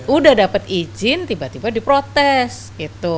udah dapat izin tiba tiba diprotes gitu